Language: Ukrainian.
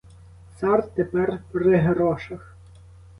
Цар тепер при грошах.